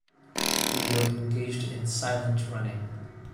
Studio engaged in 'silent running.